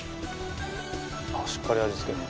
「しっかり味付ける」